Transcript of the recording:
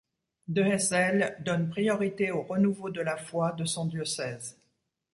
Dehesselle donne priorité au renouveau de la foi de son diocèse.